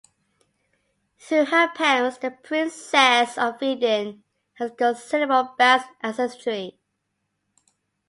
Through her parents, the Princess of Vidin has considerable Basque ancestry.